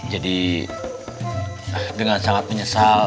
jadi dengan sangat menyesal